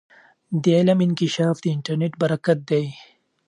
د علم انکشاف د انټرنیټ برکت دی.